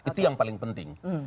itu yang paling penting